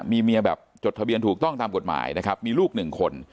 มีเมียแบบจดทะเบียนถูกต้องตามกฎหมายนะครับมีลูกหนึ่งคน